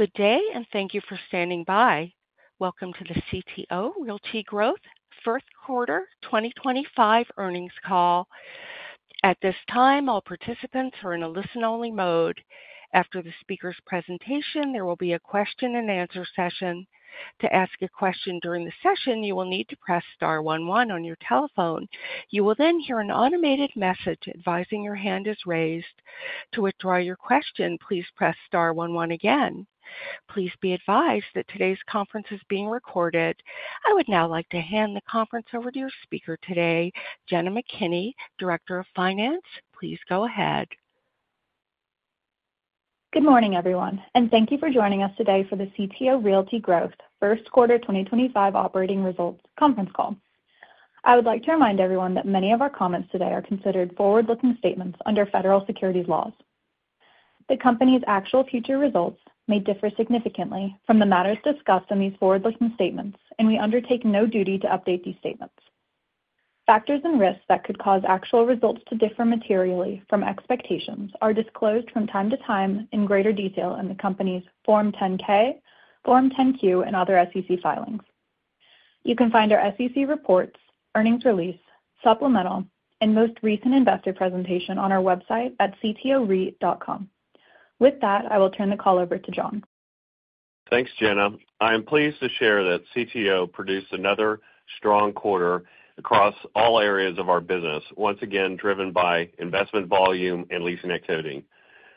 Good day, and thank you for standing by. Welcome to the CTO Realty Growth First Quarter 2025 Earnings Call. At this time, all participants are in a listen-only mode. After the speaker's presentation, there will be a question-and-answer session. To ask a question during the session, you will need to press star one one on your telephone. You will then hear an automated message advising your hand is raised. To withdraw your question, please press star one one again. Please be advised that today's conference is being recorded. I would now like to hand the conference over to your speaker today, Jenna McKinney, Director of Finance. Please go ahead. Good morning, everyone, and thank you for joining us today for the CTO Realty Growth First Quarter 2025 Operating Results Conference Call. I would like to remind everyone that many of our comments today are considered forward-looking statements under federal securities laws. The company's actual future results may differ significantly from the matters discussed in these forward-looking statements, and we undertake no duty to update these statements. Factors and risks that could cause actual results to differ materially from expectations are disclosed from time to time in greater detail in the company's Form 10-K, Form 10-Q, and other SEC filings. You can find our SEC reports, earnings release, supplemental, and most recent investor presentation on our website at ctorealty.com. With that, I will turn the call over to John. Thanks, Jenna. I am pleased to share that CTO produced another strong quarter across all areas of our business, once again driven by investment volume and leasing activity.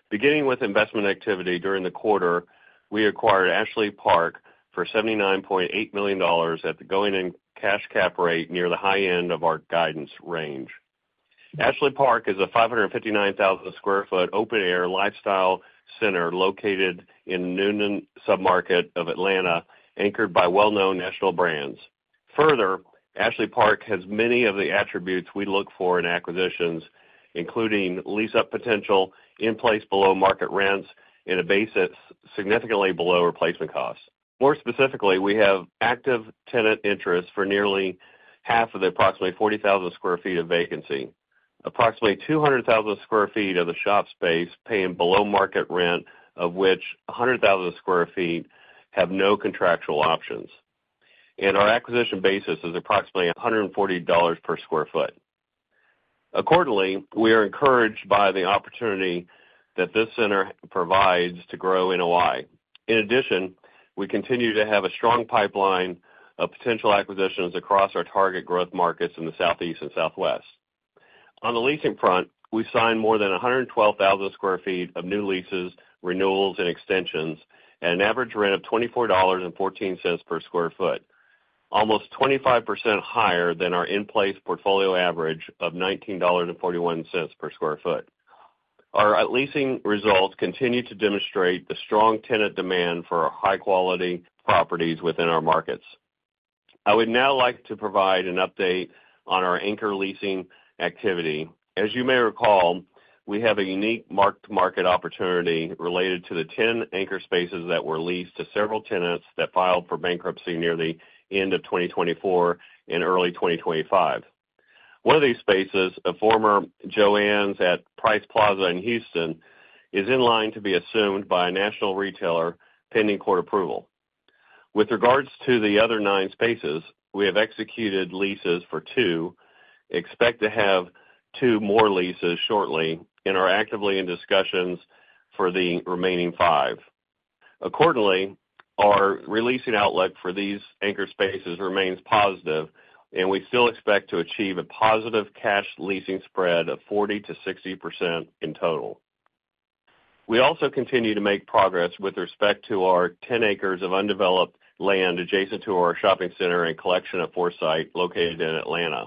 Beginning with investment activity during the quarter, we acquired Ashley Park for $79.8 million at the going-in cash cap rate near the high end of our guidance range. Ashley Park is a 559,000 sq ft open-air lifestyle center located in Newnan submarket of Atlanta, anchored by well-known national brands. Further, Ashley Park has many of the attributes we look for in acquisitions, including lease-up potential, in place below market rents, and a basis significantly below replacement costs. More specifically, we have active tenant interest for nearly half of the approximately 40,000 sq ft of vacancy, approximately 200,000 sq ft of the shop space paying below market rent, of which 100,000 sq ft have no contractual options, and our acquisition basis is approximately $140 per sq ft. Accordingly, we are encouraged by the opportunity that this center provides to grow in a while. In addition, we continue to have a strong pipeline of potential acquisitions across our target growth markets in the Southeast and Southwest. On the leasing front, we signed more than 112,000 sq ft of new leases, renewals, and extensions, at an average rent of $24.14 per sq ft, almost 25% higher than our in place portfolio average of $19.41 per sq ft. Our leasing results continue to demonstrate the strong tenant demand for our high-quality properties within our markets. I would now like to provide an update on our anchor leasing activity. As you may recall, we have a unique mark-to-market opportunity related to the 10 anchor spaces that were leased to several tenants that filed for bankruptcy near the end of 2024 and early 2025. One of these spaces, a former Jo-Ann Stores at Price Plaza in Houston, is in line to be assumed by a national retailer pending court approval. With regards to the other nine spaces, we have executed leases for two, expect to have two more leases shortly, and are actively in discussions for the remaining five. Accordingly, our releasing outlook for these anchor spaces remains positive, and we still expect to achieve a positive cash leasing spread of 40%-60% in total. We also continue to make progress with respect to our 10 acres of undeveloped land adjacent to our shopping center and collection of foresight located in Atlanta.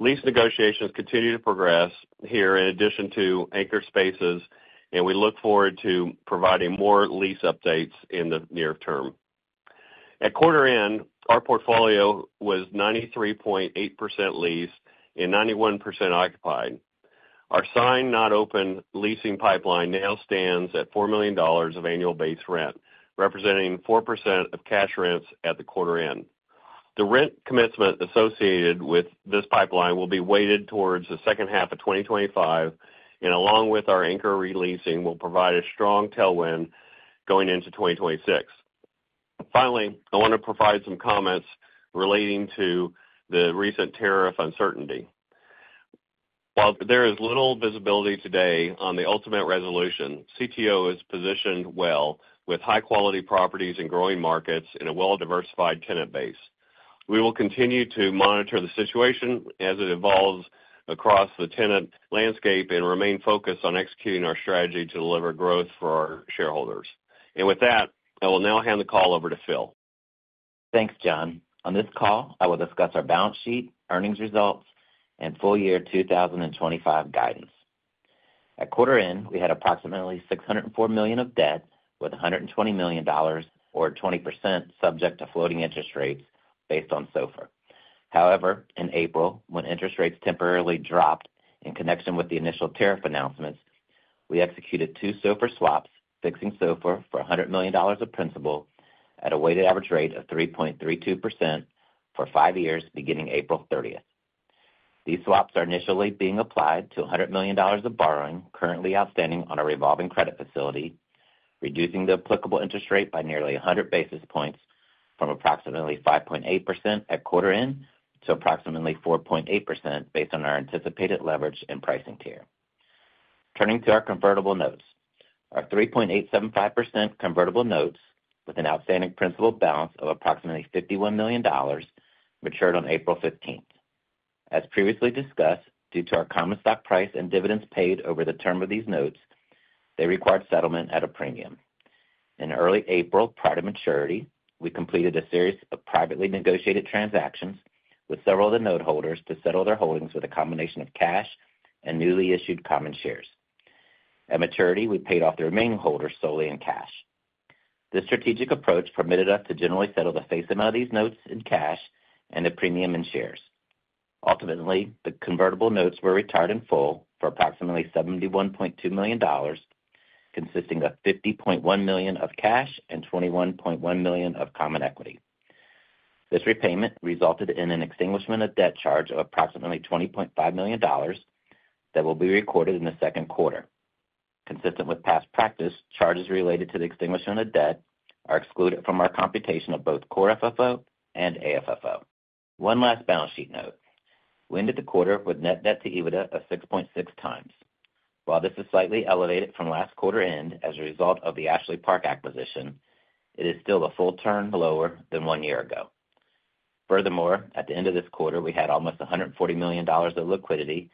Lease negotiations continue to progress here in addition to anchor spaces, and we look forward to providing more lease updates in the near term. At quarter end, our portfolio was 93.8% leased and 91% occupied. Our sign-not-open leasing pipeline now stands at $4 million of annual base rent, representing 4% of cash rents at the quarter end. The rent commencement associated with this pipeline will be weighted towards the second half of 2025, and along with our anchor releasing, we'll provide a strong tailwind going into 2026. Finally, I want to provide some comments relating to the recent tariff uncertainty. While there is little visibility today on the ultimate resolution, CTO is positioned well with high-quality properties in growing markets and a well-diversified tenant base. We will continue to monitor the situation as it evolves across the tenant landscape and remain focused on executing our strategy to deliver growth for our shareholders. With that, I will now hand the call over to Phil. Thanks, John. On this call, I will discuss our balance sheet, earnings results, and full year 2025 guidance. At quarter end, we had approximately $604 million of debt with $120 million, or 20% subject to floating interest rates based on SOFR. However, in April, when interest rates temporarily dropped in connection with the initial tariff announcements, we executed two SOFR swaps, fixing SOFR for $100 million of principal at a weighted average rate of 3.32% for five years beginning April 30th. These swaps are initially being applied to $100 million of borrowing currently outstanding on a revolving credit facility, reducing the applicable interest rate by nearly 100 basis points from approximately 5.8% at quarter end to approximately 4.8% based on our anticipated leverage and pricing tier. Turning to our convertible notes, our 3.875% convertible notes with an outstanding principal balance of approximately $51 million matured on April 15th. As previously discussed, due to our common stock price and dividends paid over the term of these notes, they required settlement at a premium. In early April, prior to maturity, we completed a series of privately negotiated transactions with several of the noteholders to settle their holdings with a combination of cash and newly issued common shares. At maturity, we paid off the remaining holders solely in cash. This strategic approach permitted us to generally settle the face amount of these notes in cash and the premium in shares. Ultimately, the convertible notes were retired in full for approximately $71.2 million, consisting of $50.1 million of cash and $21.1 million of common equity. This repayment resulted in an extinguishment of debt charge of approximately $20.5 million that will be recorded in the second quarter. Consistent with past practice, charges related to the extinguishment of debt are excluded from our computation of both core FFO and AFFO. One last balance sheet note: we ended the quarter with net debt to EBITDA of 6.6 times. While this is slightly elevated from last quarter end as a result of the Ashley Park acquisition, it is still a full turn lower than one year ago. Furthermore, at the end of this quarter, we had almost $140 million of liquidity,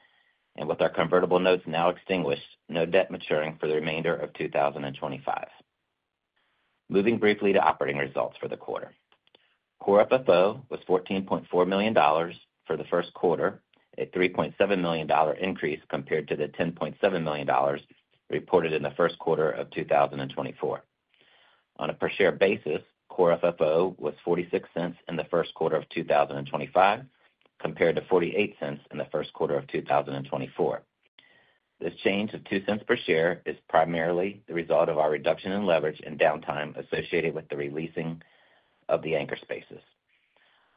and with our convertible notes now extinguished, no debt maturing for the remainder of 2025. Moving briefly to operating results for the quarter. Core FFO was $14.4 million for the first quarter, a $3.7 million increase compared to the $10.7 million reported in the first quarter of 2024. On a per-share basis, core FFO was $0.46 in the first quarter of 2025 compared to $0.48 in the first quarter of 2024. This change of $0.02 per share is primarily the result of our reduction in leverage and downtime associated with the releasing of the anchor spaces.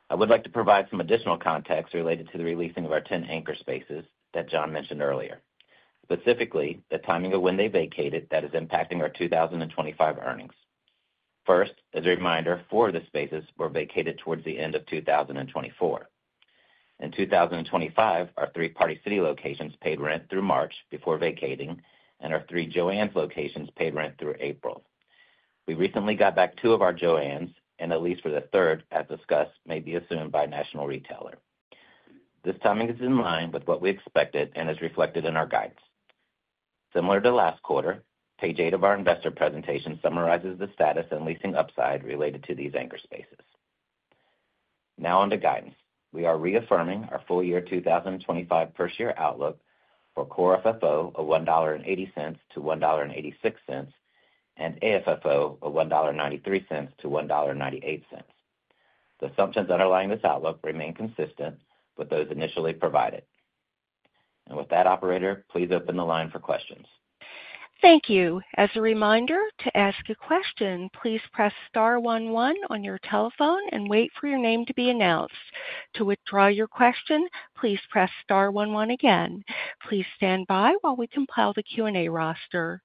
I would like to provide some additional context related to the releasing of our 10 anchor spaces that John mentioned earlier, specifically the timing of when they vacated that is impacting our 2025 earnings. First, as a reminder, four of the spaces were vacated towards the end of 2024. In 2025, our three Party City locations paid rent through March before vacating, and our three Jo-Ann Stores locations paid rent through April. We recently got back two of our Jo-Ann Stores, and a lease for the third, as discussed, may be assumed by a national retailer. This timing is in line with what we expected and is reflected in our guidance. Similar to last quarter, page eight of our investor presentation summarizes the status and leasing upside related to these anchor spaces. Now on to guidance. We are reaffirming our full year 2025 first-year outlook for core FFO of $1.80-$1.86 and AFFO of $1.93-$1.98. The assumptions underlying this outlook remain consistent with those initially provided. With that, Operator, please open the line for questions. Thank you. As a reminder, to ask a question, please press star one one on your telephone and wait for your name to be announced. To withdraw your question, please press star one one again. Please stand by while we compile the Q&A roster.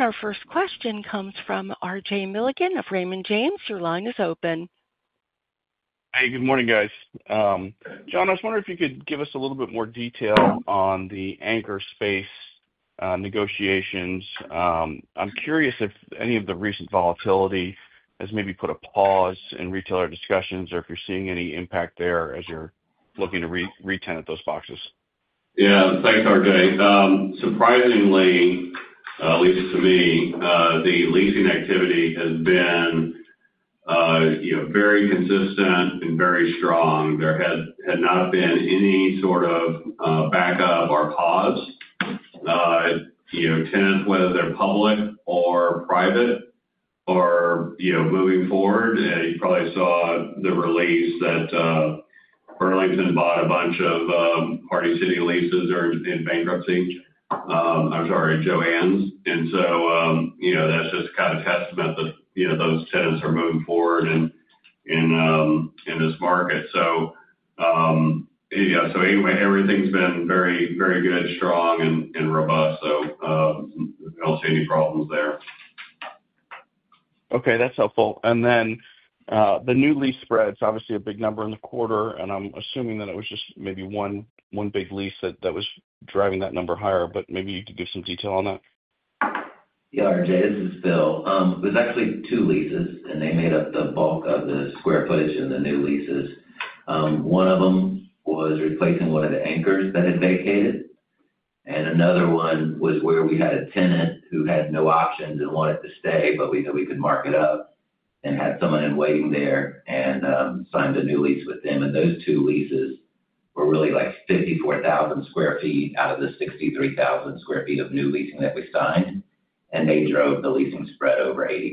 Our first question comes from RJ Milligan of Raymond James. Your line is open. Hey, good morning, guys. John, I was wondering if you could give us a little bit more detail on the anchor space negotiations. I'm curious if any of the recent volatility has maybe put a pause in retailer discussions or if you're seeing any impact there as you're looking to re-tenant those boxes. Yeah, thanks, RJ. Surprisingly, at least to me, the leasing activity has been very consistent and very strong. There had not been any sort of backup or pause. Tenants, whether they're public or private, are moving forward. You probably saw the release that Burlington bought a bunch of Party City leases in bankruptcy, I'm sorry, Jo-Ann's. That is just kind of a testament that those tenants are moving forward in this market. Anyway, everything's been very, very good, strong, and robust. I don't see any problems there. Okay, that's helpful. The new lease spread is obviously a big number in the quarter, and I'm assuming that it was just maybe one big lease that was driving that number higher, but maybe you could give some detail on that. Yeah, RJ, this is Phil. It was actually two leases, and they made up the bulk of the square footage in the new leases. One of them was replacing one of the anchors that had vacated, and another one was where we had a tenant who had no options and wanted to stay, but we knew we could mark it up and had someone in waiting there and signed a new lease with them. Those two leases were really like 54,000 sq ft out of the 63,000 sq ft of new leasing that we signed, and they drove the leasing spread over 80%.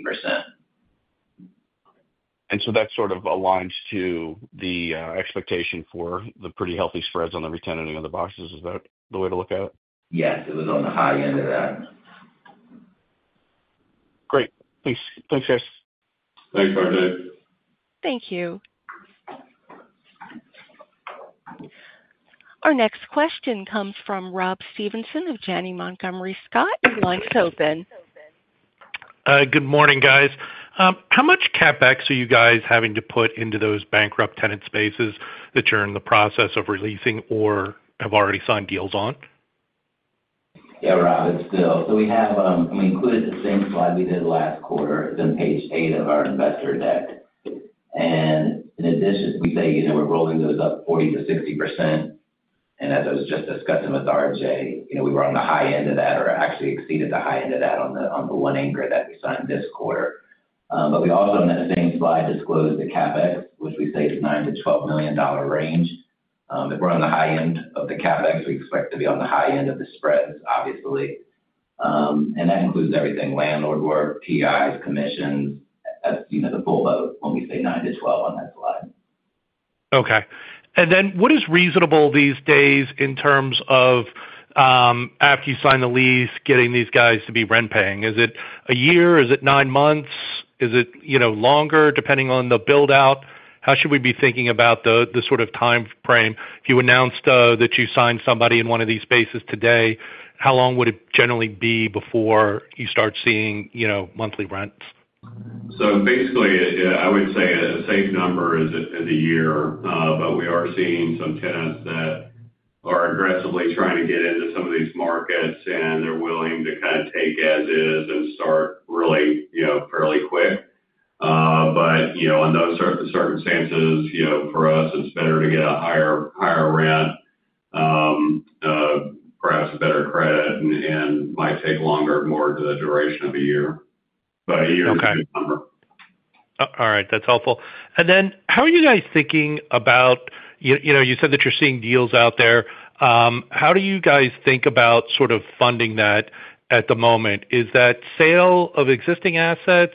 That sort of aligns to the expectation for the pretty healthy spreads on the re-tenanting of the boxes. Is that the way to look at it? Yes, it was on the high end of that. Great. Thanks, guys. Thanks, RJ. Thank you. Our next question comes from Rob Stevenson of Janney Montgomery Scott. The line's open. Good morning, guys. How much CapEx are you guys having to put into those bankrupt tenant spaces that you're in the process of releasing or have already signed deals on? Yeah, Rob, it's Phil. We have included the same slide we did last quarter. It's on page eight of our investor deck. In addition, we say we're rolling those up 40%-60%. As I was just discussing with RJ, we were on the high end of that or actually exceeded the high end of that on the one anchor that we signed this quarter. We also, on that same slide, disclosed the CapEx, which we say is $9-12 million range. If we're on the high end of the CapEx, we expect to be on the high end of the spreads, obviously. That includes everything: landlord work, PIs, commissions, the full boat when we say $9-12 on that slide. Okay. What is reasonable these days in terms of, after you sign the lease, getting these guys to be rent-paying? Is it a year? Is it nine months? Is it longer depending on the build-out? How should we be thinking about the sort of time frame? If you announced that you signed somebody in one of these spaces today, how long would it generally be before you start seeing monthly rents? I would say a safe number is a year, but we are seeing some tenants that are aggressively trying to get into some of these markets, and they're willing to kind of take as-is and start really fairly quick. Under those circumstances, for us, it's better to get a higher rent, perhaps a better credit, and might take longer, more to the duration of a year. A year is a good number. All right. That's helpful. How are you guys thinking about—you said that you're seeing deals out there. How do you guys think about sort of funding that at the moment? Is that sale of existing assets?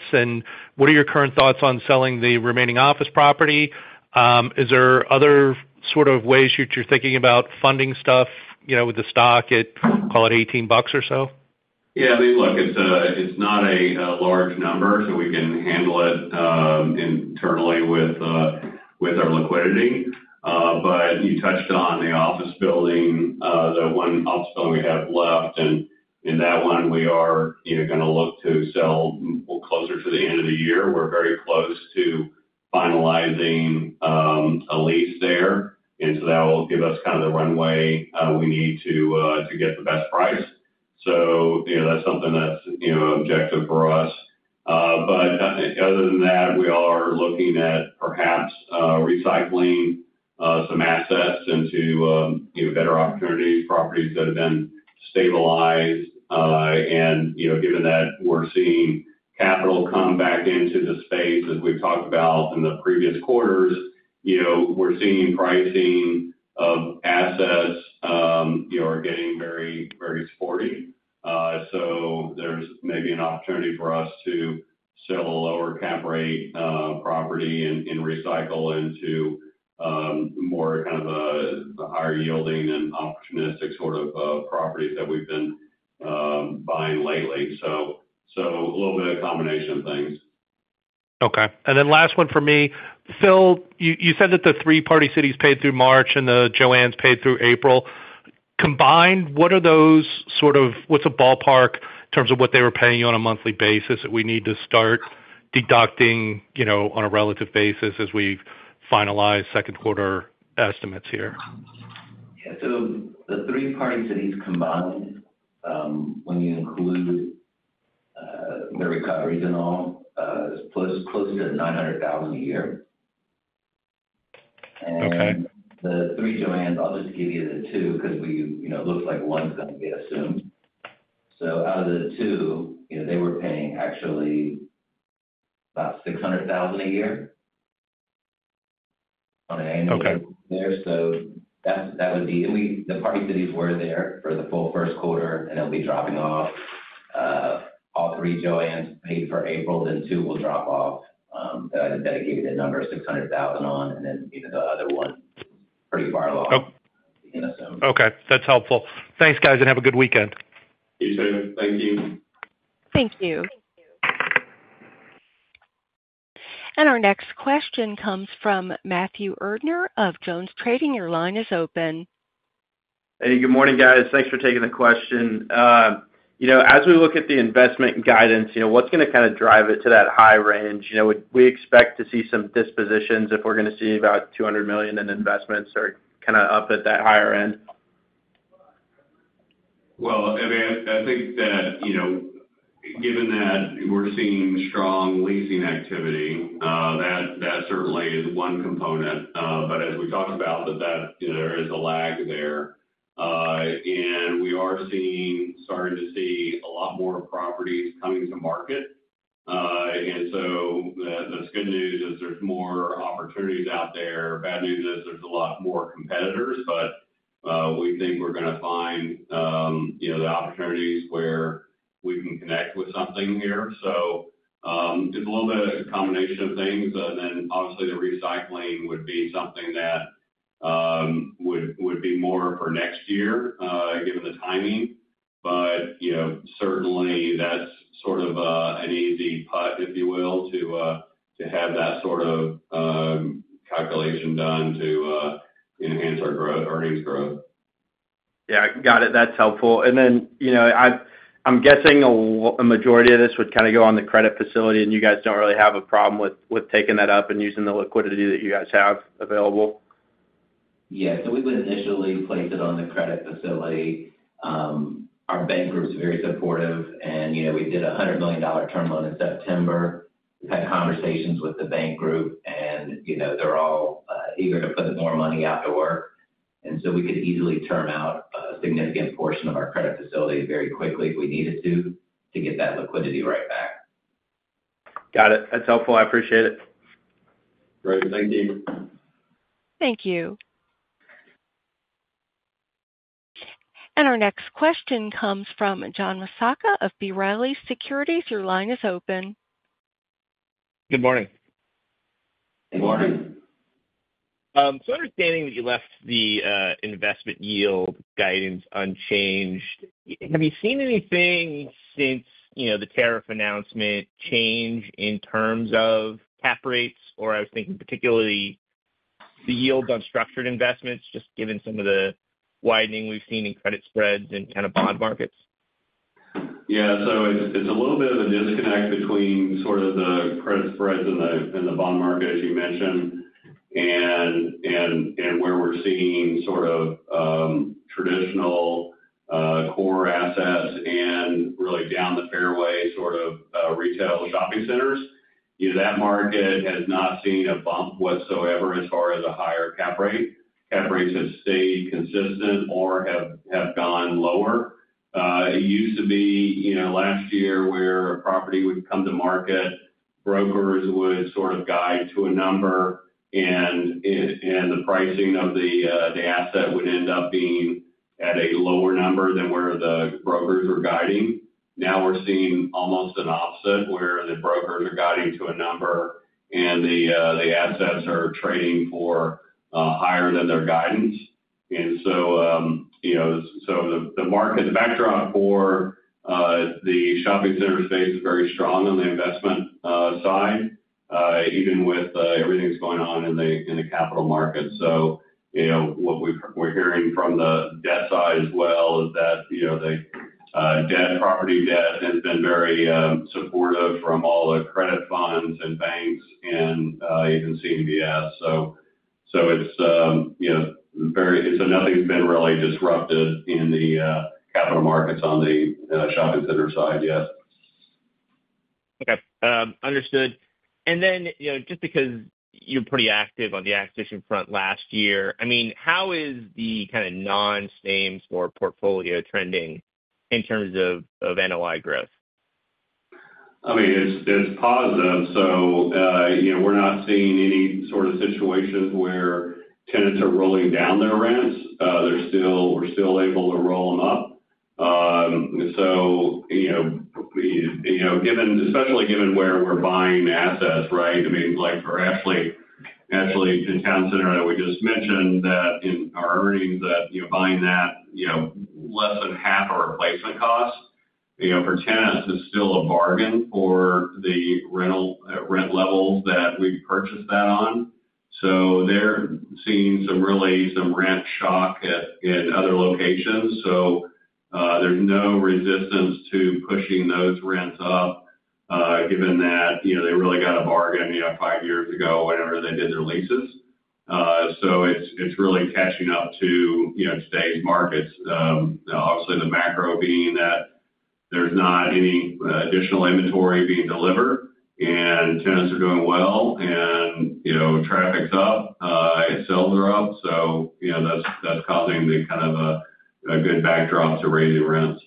What are your current thoughts on selling the remaining office property? Is there other sort of ways that you're thinking about funding stuff with the stock at, call it, $18 or so? Yeah, I mean, look, it's not a large number, so we can handle it internally with our liquidity. You touched on the office building, the one office building we have left. That one, we are going to look to sell closer to the end of the year. We're very close to finalizing a lease there. That will give us kind of the runway we need to get the best price. That's something that's objective for us. Other than that, we are looking at perhaps recycling some assets into better opportunities, properties that have been stabilized. Given that we're seeing capital come back into the space, as we've talked about in the previous quarters, we're seeing pricing of assets are getting very, very sporty. There is maybe an opportunity for us to sell a lower cap rate property and recycle into more kind of the higher yielding and opportunistic sort of properties that we have been buying lately. A little bit of a combination of things. Okay. Last one for me. Phil, you said that the three Party Citys paid through March and the Joann's paid through April. Combined, what are those sort of—what's a ballpark in terms of what they were paying you on a monthly basis that we need to start deducting on a relative basis as we finalize second quarter estimates here? Yeah. The three Party City locations combined, when you include the recoveries and all, it's close to $900,000 a year. The three Joann's, I'll just give you the two because it looks like one is going to be assumed. Out of the two, they were paying actually about $600,000 a year on an annual basis there. The Party City locations were there for the full first quarter, and they'll be dropping off. All three Jo-Ann's paid for April, then two will drop off the dedicated number of $600,000 on, and then the other one pretty far along. Okay. That's helpful. Thanks, guys, and have a good weekend. You too. Thank you. Thank you. Our next question comes from Matthew Erdner of Jones Trading. Your line is open. Hey, good morning, guys. Thanks for taking the question. As we look at the investment guidance, what's going to kind of drive it to that high range? We expect to see some dispositions if we're going to see about $200 million in investments or kind of up at that higher end. I mean, I think that given that we're seeing strong leasing activity, that certainly is one component. As we talked about, there is a lag there. We are starting to see a lot more properties coming to market. The good news is there's more opportunities out there. The bad news is there's a lot more competitors, but we think we're going to find the opportunities where we can connect with something here. It is a little bit of a combination of things. Obviously, the recycling would be something that would be more for next year given the timing. Certainly, that's sort of an easy putt, if you will, to have that sort of calculation done to enhance our earnings growth. Yeah, got it. That's helpful. I'm guessing a majority of this would kind of go on the credit facility, and you guys don't really have a problem with taking that up and using the liquidity that you guys have available. Yeah. We would initially place it on the credit facility. Our bank group's very supportive, and we did a $100 million term loan in September. We've had conversations with the bank group, and they're all eager to put more money out to work. We could easily term out a significant portion of our credit facility very quickly if we needed to get that liquidity right back. Got it. That's helpful. I appreciate it. Great. Thank you. Thank you. Our next question comes from John Massocca of B. Riley Securities. Your line is open. Good morning. Good morning. Understanding that you left the investment yield guidance unchanged, have you seen anything since the tariff announcement change in terms of cap rates? I was thinking particularly the yield on structured investments, just given some of the widening we've seen in credit spreads and kind of bond markets. Yeah. So it's a little bit of a disconnect between sort of the credit spreads and the bond market, as you mentioned, and where we're seeing sort of traditional core assets and really down the fairway sort of retail shopping centers. That market has not seen a bump whatsoever as far as a higher cap rate. Cap rates have stayed consistent or have gone lower. It used to be last year where a property would come to market, brokers would sort of guide to a number, and the pricing of the asset would end up being at a lower number than where the brokers were guiding. Now we're seeing almost an opposite where the brokers are guiding to a number, and the assets are trading for higher than their guidance. The backdrop for the shopping center space is very strong on the investment side, even with everything that's going on in the capital markets. What we're hearing from the debt side as well is that property debt has been very supportive from all the credit funds and banks and even CMBS. Nothing's been really disrupted in the capital markets on the shopping center side. Yes. Okay. Understood. Just because you're pretty active on the acquisition front last year, I mean, how is the kind of non-same-store portfolio trending in terms of NOI growth? I mean, it's positive. We're not seeing any sort of situations where tenants are rolling down their rents. We're still able to roll them up. Especially given where we're buying assets, right? I mean, actually, the town center that we just mentioned in our earnings, buying that at less than half our replacement cost for tenants is still a bargain for the rent levels that we've purchased that on. They're seeing really some rent shock in other locations. There's no resistance to pushing those rents up given that they really got a bargain five years ago whenever they did their leases. It's really catching up to today's markets. Obviously, the macro being that there's not any additional inventory being delivered, and tenants are doing well, and traffic's up, sales are up. That is causing kind of a good backdrop to raising rents.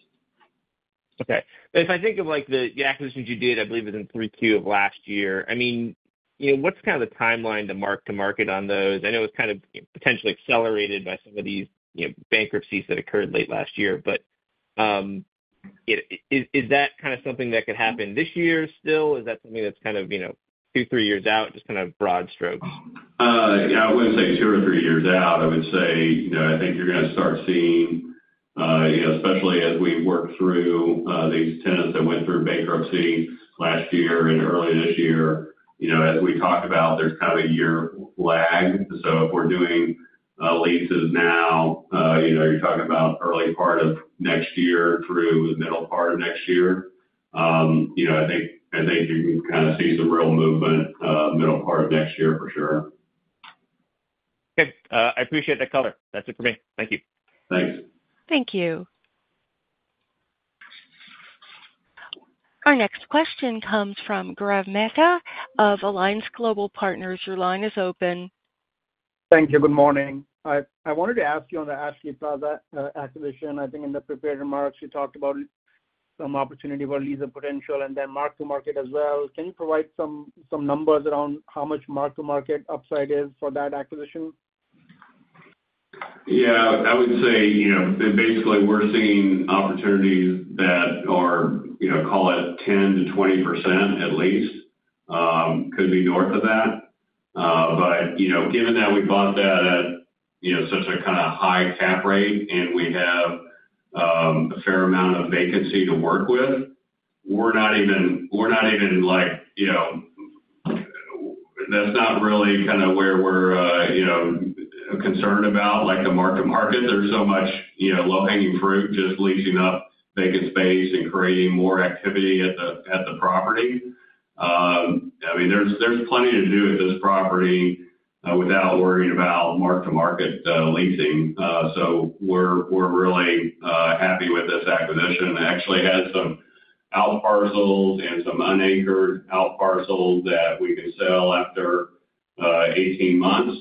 Okay. If I think of the acquisitions you did, I believe it was in Q3 of last year. I mean, what's kind of the timeline to mark to market on those? I know it was kind of potentially accelerated by some of these bankruptcies that occurred late last year. Is that kind of something that could happen this year still? Is that something that's kind of two, three years out, just kind of broad strokes? Yeah. I wouldn't say two or three years out. I would say I think you're going to start seeing, especially as we work through these tenants that went through bankruptcy last year and early this year, as we talked about, there's kind of a year lag. If we're doing leases now, you're talking about early part of next year through the middle part of next year. I think you can kind of see some real movement middle part of next year for sure. Okay. I appreciate that color. That's it for me. Thank you. Thanks. Thank you. Our next question comes from Gaurav Mehta of Alliance Global Partners. Your line is open. Thank you. Good morning. I wanted to ask you on the asset acquisition. I think in the prepared remarks, you talked about some opportunity for leasing potential and then mark-to-market as well. Can you provide some numbers around how much mark-to-market upside is for that acquisition? Yeah. I would say basically we're seeing opportunities that are, call it, 10%-20% at least, could be north of that. Given that we bought that at such a kind of high cap rate and we have a fair amount of vacancy to work with, we're not even like that's not really kind of where we're concerned about the mark-to-market. There's so much low-hanging fruit just leasing up vacant space and creating more activity at the property. I mean, there's plenty to do at this property without worrying about mark-to-market leasing. We're really happy with this acquisition. It actually has some outparcels and some unanchored outparcels that we can sell after 18 months.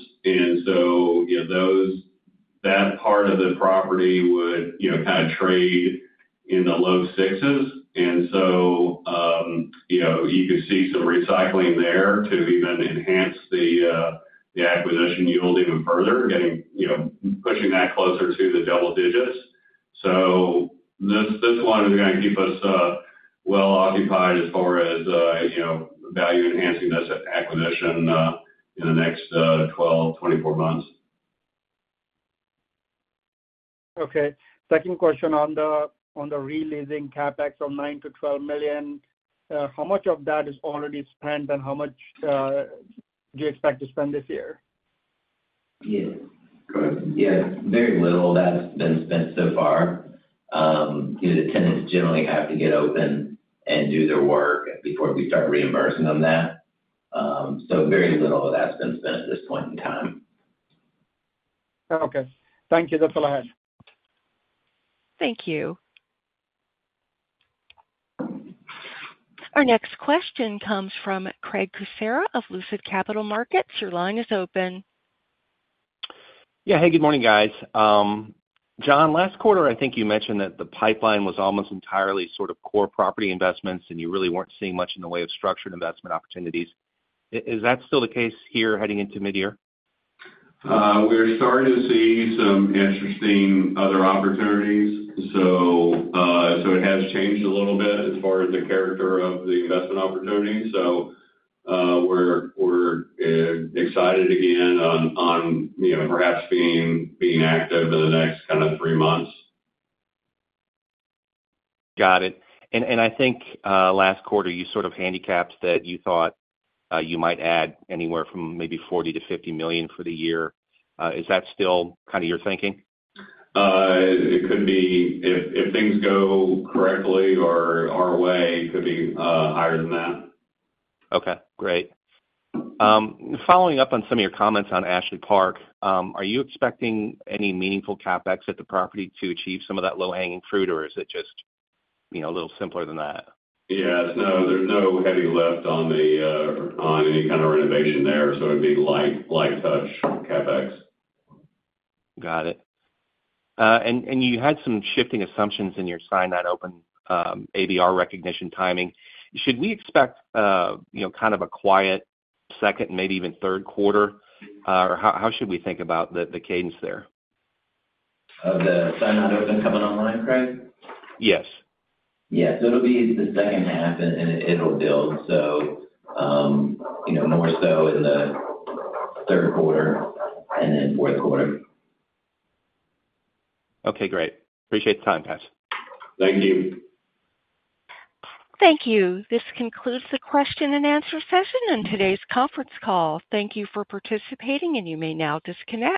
That part of the property would kind of trade in the low sixes. You could see some recycling there to even enhance the acquisition yield even further, pushing that closer to the double digits. This one is going to keep us well occupied as far as value-enhancing this acquisition in the next 12-24 months. Okay. Second question on the re-leasing CapEx of $9-$12 million. How much of that is already spent, and how much do you expect to spend this year? Yeah. Very little that's been spent so far. The tenants generally have to get open and do their work before we start reimbursing them that. So very little of that's been spent at this point in time. Okay. Thank you. That's all I had. Thank you. Our next question comes from Craig Kucera of Lucid Capital Markets. Your line is open. Yeah. Hey, good morning, guys. John, last quarter, I think you mentioned that the pipeline was almost entirely sort of core property investments, and you really were not seeing much in the way of structured investment opportunities. Is that still the case here heading into mid-year? We're starting to see some interesting other opportunities. It has changed a little bit as far as the character of the investment opportunity. We're excited again on perhaps being active in the next kind of three months. Got it. I think last quarter, you sort of handicapped that you thought you might add anywhere from maybe $40-$50 million for the year. Is that still kind of your thinking? It could be. If things go correctly or our way, it could be higher than that. Okay. Great. Following up on some of your comments on Ashley Park, are you expecting any meaningful CapEx at the property to achieve some of that low-hanging fruit, or is it just a little simpler than that? Yeah. There's no heavy lift on any kind of renovation there. So it'd be light touch CapEx. Got it. You had some shifting assumptions in your sign that open ABR recognition timing. Should we expect kind of a quiet second, maybe even third quarter? Or how should we think about the cadence there? Of the sign that open coming online, Craig? Yes. Yeah. It will be the second half, and it will build. More so in the third quarter and then fourth quarter. Okay. Great. Appreciate the time, guys. Thank you. Thank you. This concludes the question and answer session and today's conference call. Thank you for participating, and you may now disconnect.